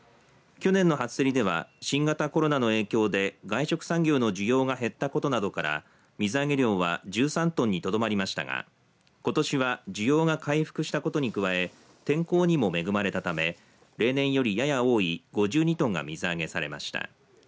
去年の初競りでは新型コロナの影響で外食産業の需要が減ったことなどから水揚げ量は１３トンにとどまりましたがことしは需要が回復したことに加え天候にも恵まれたため例年よりやや多い５２トンが水揚げされました。